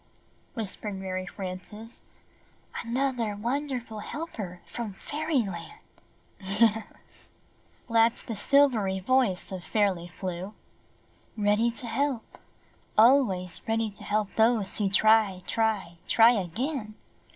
whisper ed Mary Frances, ''another wonder ful helper from Fairyland!" "Yes," laughed the silvery voice of Fairly Flew. "Ready to help, always ready to help those who try, try, try again.